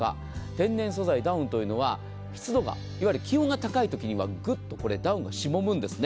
天然素材、ダウンというのは湿度が気温が高いときにはぐっとダウンがしぼむんです。